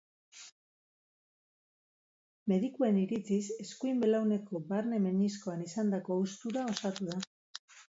Medikuen iritziz eskuin belauneko barne meniskoan izandako haustura osatu da.